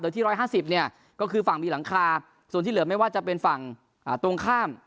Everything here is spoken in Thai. โดยที่๑๕๐เนี่ยก็คือฝั่งมีหลังคาส่วนที่เหลือไม่ว่าจะเป็นฝั่งตรงข้าม